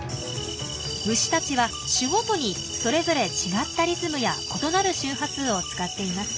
虫たちは種ごとにそれぞれ違ったリズムや異なる周波数を使っています。